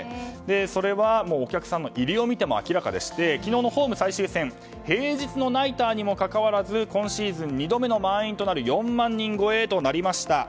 それは、お客さんの入りを見ても明らかで昨日のホーム最終戦平日のナイターにもかかわらず今シーズン２度目の満員となる４万人超えとなりました。